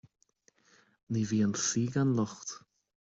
Ní bhíonn saoi gan locht